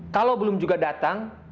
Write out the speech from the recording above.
kalau belum juga datang